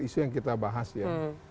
isu yang kita bahas ya